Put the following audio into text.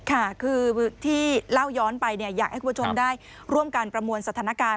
ค่ะคือที่เล่าย้อนไปอยากให้คุณผู้ชมได้ร่วมการประมวลสถานการณ์